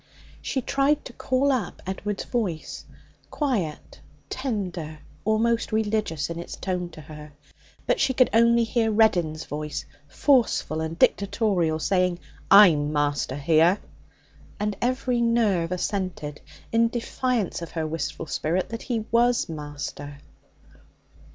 She tried to call up Edward's voice quiet, tender, almost religious in its tone to her. But she could only hear Reddin's voice, forceful and dictatorial, saying, 'I'm master here!' And every nerve assented, in defiance of her wistful spirit, that he was master.